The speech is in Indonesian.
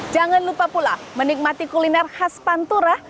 jangan lupa pula menikmati kuliner khas pantura